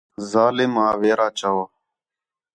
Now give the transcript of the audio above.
ظالم آ ویرا چؤ